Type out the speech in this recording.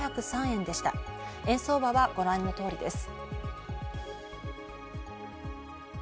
円相場はご覧の通りです。